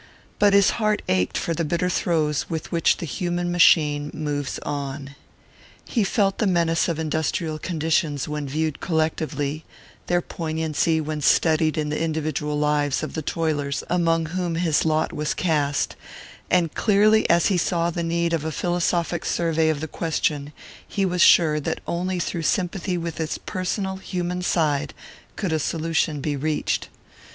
But his heart ached for the bitter throes with which the human machine moves on. He felt the menace of industrial conditions when viewed collectively, their poignancy when studied in the individual lives of the toilers among whom his lot was cast; and clearly as he saw the need of a philosophic survey of the question, he was sure that only through sympathy with its personal, human side could a solution be reached.